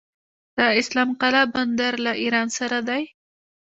د اسلام قلعه بندر له ایران سره دی